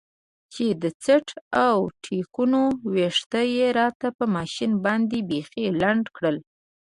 چې د څټ او ټېکونو ويښته يې راته په ماشين باندې بيخي لنډ کړل.